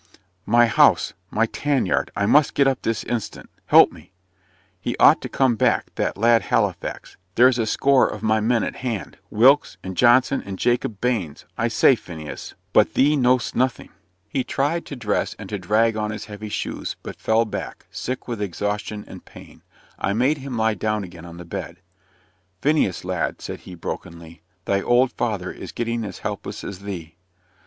"My house my tan yard I must get up this instant help me. He ought to come back that lad Halifax. There's a score of my men at hand Wilkes, and Johnson, and Jacob Baines I say, Phineas but thee know'st nothing." He tried to dress, and to drag on his heavy shoes; but fell back, sick with exhaustion and pain. I made him lie down again on the bed. "Phineas, lad," said he, brokenly, "thy old father is getting as helpless as thee."